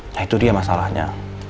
nah itu dia masalahnya